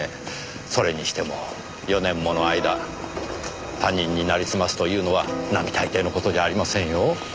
それにしても４年もの間他人になりすますというのは並大抵の事じゃありませんよ。